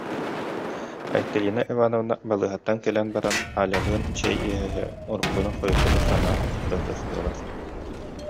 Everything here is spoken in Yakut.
Айталина Ивановна балыыһаттан кэлэн баран Алялыын чэй иһэ-иһэ, уруккуну-хойуккуну санаан, ырытыстылар